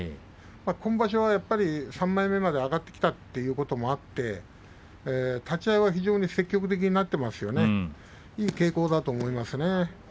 今場所は３枚目まで上がってきたということもあって立ち合いは非常に積極的になっていますね。